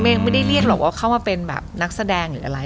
ยังไม่ได้เรียกหรอกว่าเข้ามาเป็นแบบนักแสดงหรืออะไร